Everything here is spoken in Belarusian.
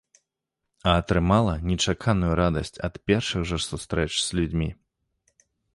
А атрымала нечаканую радасць ад першых жа сустрэч з людзьмі.